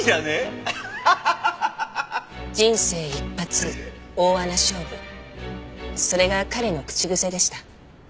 「人生一発大穴勝負」それが彼の口癖でした。